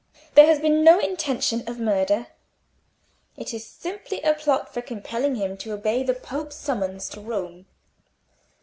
"There has been no intention of murder. It is simply a plot for compelling him to obey the Pope's summons to Rome.